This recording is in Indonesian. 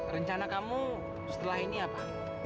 rencana kamu setelah ini apa